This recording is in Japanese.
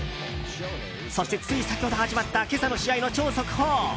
そして、つい先ほど始まった今朝の試合の超速報。